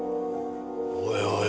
おいおい